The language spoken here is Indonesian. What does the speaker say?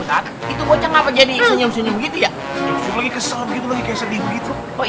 saat itu bocah ngapa jadi senyum senyum gitu ya lagi kesel gitu lagi kayak sedih begitu oh